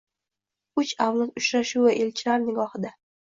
“Uch avlod uchrashuvi” elchilar nigohida